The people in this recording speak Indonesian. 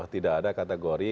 tidak ada kategori